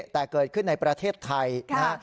แต่เกิดขึ้นในประเทศไทยนะฮะ